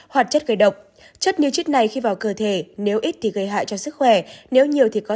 hoặc chất gây độc chất nitrite này khi vào cơ thể nếu ít thì gây hại cho sức khỏe nếu nhiều thì có